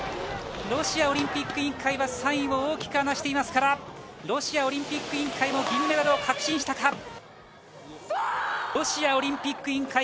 ロシアオリンピック委員会は３位を大きく引き離していますから、ロシアオリンピック委員会は銀メダルを確信したか。